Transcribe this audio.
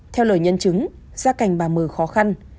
theo lời nhân chứng gia cành bà m khó khăn